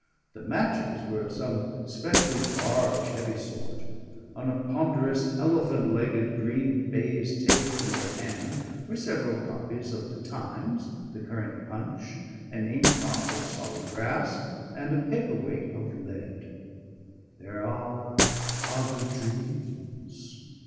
The matches were of some specially large, heavy sort. On a ponderous elephant legged green baize table near at hand were several copies of the Times, the current Punch, an inkpot of solid brass, and a paper weight of lead. _There are other dreams!